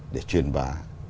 để truyền bá